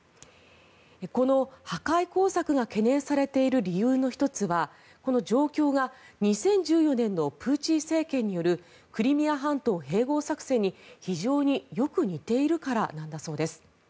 この破壊工作が懸念されている理由の１つがこの状況が２０１４年のプーチン政権によるクリミア半島併合作戦に非常によく似ているからなんだそうです。